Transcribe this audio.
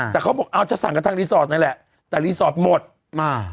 แต่เขาบอกเอาจะสั่งกันทางรีสอร์ทนั่นแหละแต่รีสอร์ทหมดมา